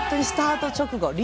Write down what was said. スタート直後